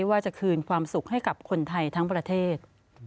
ว่าจะคืนความสุขให้กับคนไทยทั้งประเทศ